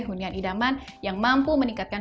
hunian idaman yang mampu meningkatkan